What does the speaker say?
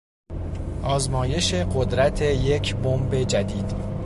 آزمایش قدرت یک بمب جدید